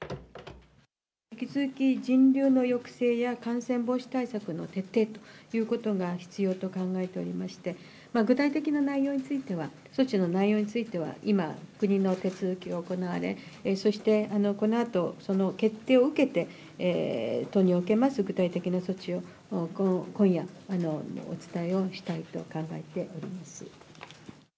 引き続き人流の抑制や感染防止対策の徹底ということが必要と考えておりまして、具体的な内容については、措置の内容については、今、国の手続きが行われ、そしてこのあと、その決定を受けて、都におけます具体的な措置を今夜、お伝えをしたいと考えております。